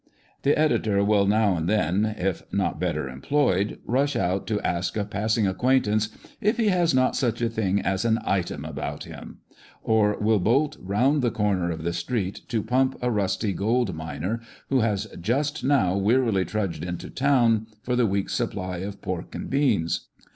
The editor will now and then, if not better employed, rush out to ask a passing acquaintance "if he has not such a thing as an item about him," or will bolt round the corner of the street to pump a rusty gold miner who has just now wearily trudged into town for the week's supply of pork and beans.